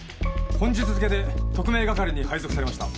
本日付けで特命係に配属されました。